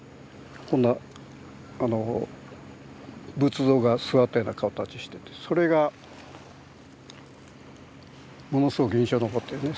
こんな仏像が座ったような形しててそれがものすごく印象に残ってるね。